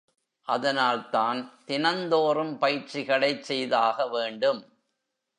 அதனால்தான், தினந்தோறும் பயிற்சிகளைச் செய்தாக வேண்டும்.